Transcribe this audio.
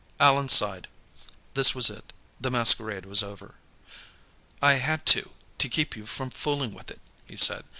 Allan sighed. This was it; the masquerade was over. "I had to, to keep you from fooling with it," he said.